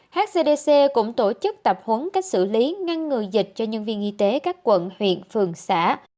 hcdc cũng tổ chức tập huấn cách xử lý ngăn ngừa dịch cho nhân viên y tế các quận huyện phường xã